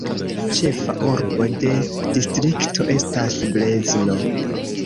Ĉefa urbo de distrikto estas Brezno.